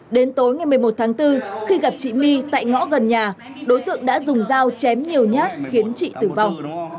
đến tối ngày một mươi một tháng bốn khi gặp chị my tại ngõ gần nhà đối tượng đã dùng dao chém nhiều nhát khiến chị tử vong